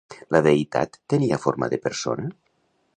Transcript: La deïtat tenia forma de persona?